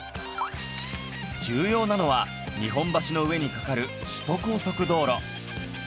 重要なのは日本橋の上に架かる首都高速道路